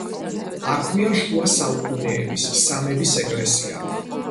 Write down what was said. აქვეა შუა საუკუნეების სამების ეკლესია.